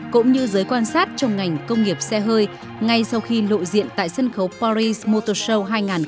cũng như giới quan sát trong ngành công nghiệp xe hơi ngay sau khi lộ diện tại sân khấu paris motor show hai nghìn hai mươi